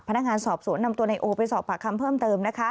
พนักงานสอบสวนนำตัวนายโอไปสอบปากคำเพิ่มเติมนะคะ